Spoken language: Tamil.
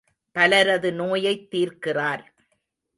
பலரது நோயைத் தீர்க்கிறார்.